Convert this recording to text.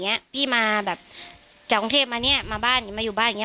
เนี้ยพี่มาแบบจากกรุงเทพมาเนี้ยมาบ้านอย่างมาอยู่บ้านอย่างเง